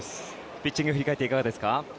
ピッチングを振り返っていかがですか。